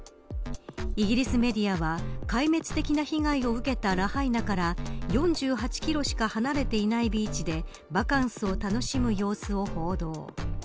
イギリスメディアは壊滅的な被害を受けたラハイナから４８キロしか離れていないビーチでバカンスを楽しむ様子を報道。